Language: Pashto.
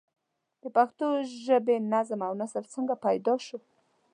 د پښتو ژبې نظم او نثر څنگه پيدا شو؟